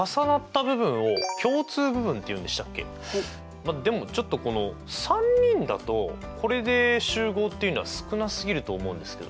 まあでもちょっとこの３人だとこれで集合っていうのは少なすぎると思うんですけど。